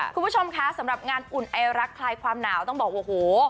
คุณผู้ชมคะสำหรับงานอุ่นไอรักคลายความหนาวต้องบอกโอ้โห